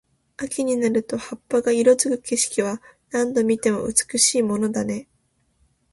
秋になると葉っぱが色付く景色は、何度見ても美しいものだね。